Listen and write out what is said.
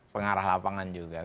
pengarah lapangan juga